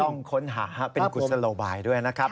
ต้องค้นหาเป็นกุศโลบายด้วยนะครับ